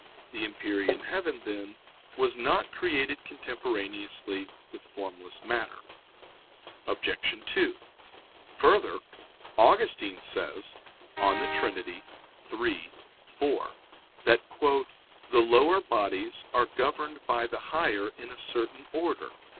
The empyrean heaven, then, was not created contemporaneously with formless matter. Obj. 2: Further, Augustine says (De Trin. iii, 4) that "the lower bodies are governed by the higher in a certain order."